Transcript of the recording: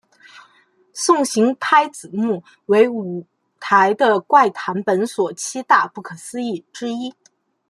送行拍子木为舞台的怪谈本所七大不可思议之一。